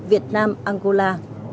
việt nam angola